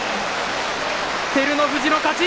照ノ富士の勝ち。